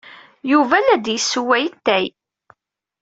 Yuba la d-yessewway atay.